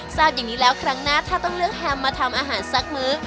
ทราบอย่างนี้แล้วครั้งหน้าถ้าต้องเลือกแฮมมาทำอาหารสักมื้อ